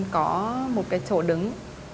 có một cái chỗ đứng